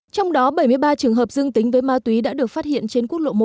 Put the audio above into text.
trong đó bảy mươi ba trường hợp dương tính với ma túy đã được phát hiện trên quốc lộ một